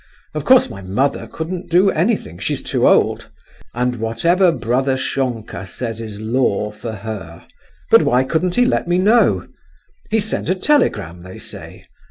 Of course my mother couldn't do anything—she's too old—and whatever brother Senka says is law for her! But why couldn't he let me know? He sent a telegram, they say.